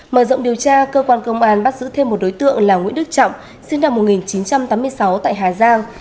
mở rộng điều tra cơ quan công an bắt giữ thêm một đối tượng là nguyễn đức trọng sinh năm một nghìn chín trăm tám mươi sáu tại hà giang